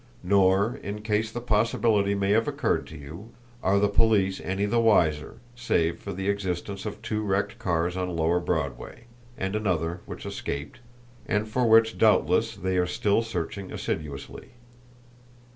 Nor in case the possibility may have occurred to you are the police any the wiser, save for the existence of two wrecked cars on Lower Broadway, and another which escaped, and for which doubtless they are still searching assiduously.